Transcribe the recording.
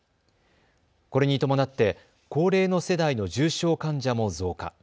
これに伴って高齢の世代の重症患者も増加。